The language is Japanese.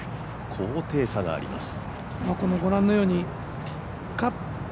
高低差があります。